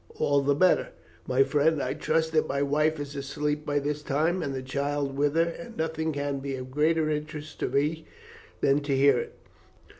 "All the better, my friend. I trust that my wife is asleep by this time, and the child with her, and nothing can be of greater interest to me than to hear it."